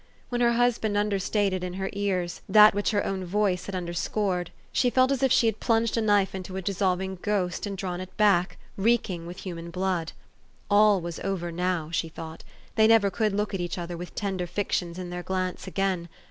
When her husband understated in her ears that which her own voice had underscored, she felt as if she had plunged a knife into a dissolving ghost, and drawn it back, reeking with human blood. All was over now, she thought. The} 7 never could look at each other with tender fictions in their glance again.